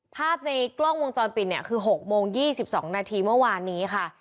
ภาพในกล้องวงจรปิดเนี่ยคือ๖โมง๒๒นาทีเมื่อวานนี้ค่ะ